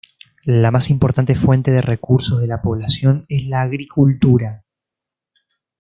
La más importante fuente de recursos de la población es la agricultura.